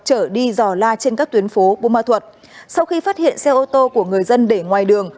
chở đi dò la trên các tuyến phố bô ma thuật sau khi phát hiện xe ô tô của người dân để ngoài đường